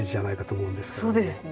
そうですね。